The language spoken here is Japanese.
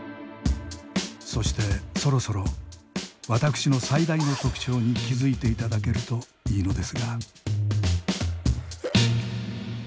そしてそろそろ私の最大の特徴に気付いて頂けるといいのですが。